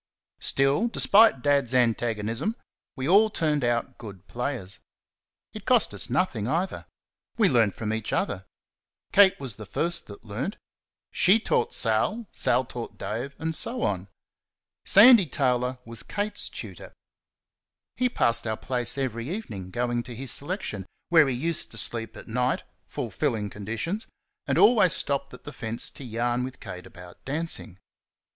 Still, despite Dad's antagonism, we all turned out good players. It cost us nothing either. We learnt from each other. Kate was the first that learnt. SHE taught Sal. Sal taught Dave, and so on. Sandy Taylor was Kate's tutor. He passed our place every evening going to his selection, where he used to sleep at night (fulfilling conditions), and always stopped at the fence to yarn with Kate about dancing.